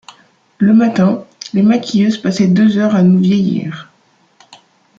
Le matin, les maquilleuses passaient deux heures à nous vieillir.